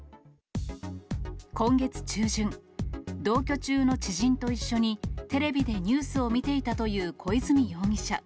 今月中旬、同居中の知人と一緒に、テレビでニュースを見ていたという小泉容疑者。